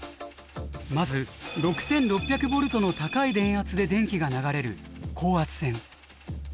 まず６，６００ボルトの高い電圧で電気が流れる高圧線。